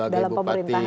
dalam pemerintahan ya